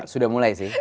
sudah mulai sih